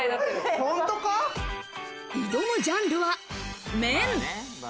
挑むジャンルは麺。